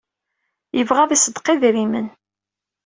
Yebɣa ad iṣeddeq idrimen.